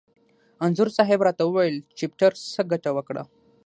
انځور صاحب را ته وویل: چپټر څه ګټه وکړه؟